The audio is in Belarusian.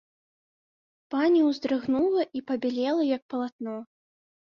Пані ўздрыгнула і пабялела як палатно.